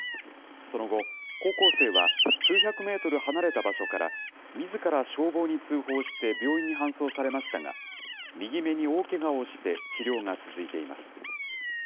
その後、高校生は、数百メートル離れた場所から、みずから消防に通報して病院に搬送されましたが、右目に大けがをして治療が続いています。